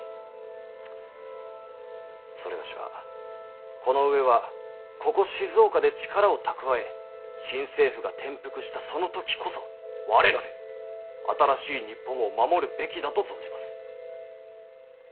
某はこの上はここ静岡で力を貯え新政府が転覆したその時こそ我らで新しい日本を守るべきだと存じます。